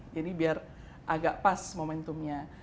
jadi agak pas momentumnya